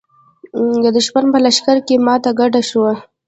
د دښمن په لښکر کې ماته ګډه شوه.